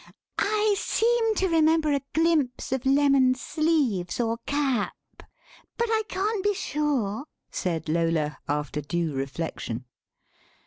"I seem to remember a glimpse of lemon sleeves or cap, but I can't be sure," said Lola, after due reflection.